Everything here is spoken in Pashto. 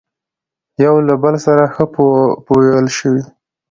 يوه له بل سره ښه پويل شوي،